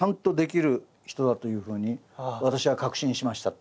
「だというふうに私は確信しました」